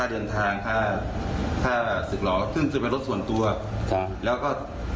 เพราะเปลี่ยวบัตรมันก็